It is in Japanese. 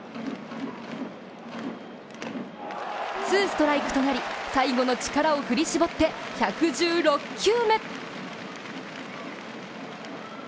ツーストライクとなり、最後の力を振り絞って、１１６球目。